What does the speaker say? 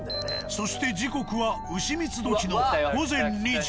そして時刻は丑三つ時の午前２時。